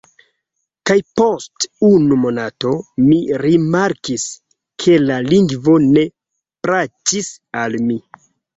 Kaj post unu monato, mi rimarkis, ke la lingvo ne plaĉis al mi.